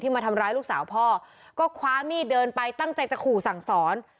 มาทำร้ายลูกสาวพ่อก็คว้ามีดเดินไปตั้งใจจะขู่สั่งสอน